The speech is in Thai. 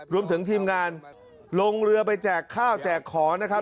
รวมถึงทีมงานลงเรือไปแจกข้าวแจกขอนะครับ